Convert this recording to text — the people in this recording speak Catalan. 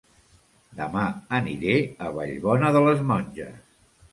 Dema aniré a Vallbona de les Monges